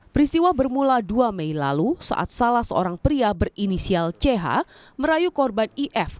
peristiwa bermula dua mei lalu saat salah seorang pria berinisial ch merayu korban if